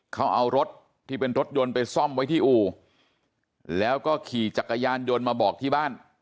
เขาเอารถที่เป็นรถยนต์ไปซ่อมไว้ที่อู่แล้วก็ขี่จักรยานยนต์มาบอกที่บ้าน